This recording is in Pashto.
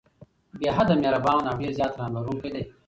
بې حده مهربان او ډير زيات رحم لرونکی دی